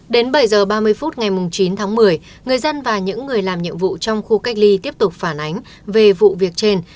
đến bảy h ba mươi phút ngày chín tháng một mươi người dân và những người làm nhiệm vụ trong khu cách ly tiếp tục phản ánh về vụ việc trên